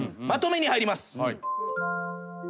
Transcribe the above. まとめに入ります。